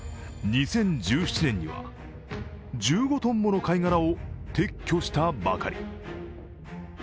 ２０１７年には１５ｔもの貝殻を撤去したばかり。